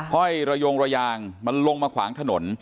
ห้อยระยงระยางมันลงมาขวางถนน